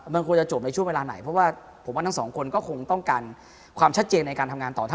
มันควรจะจบในช่วงเวลาไหนเพราะว่าผมว่าทั้งสองคนก็คงต้องการความชัดเจนในการทำงานต่อ